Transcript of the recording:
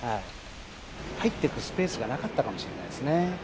入ってくスペースがなかったかもしれないですね。